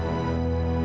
gobi aku mau ke rumah